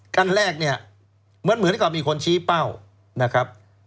ขั้นแรกเนี่ยเหมือนกับมีคนชี้เป้านะครับ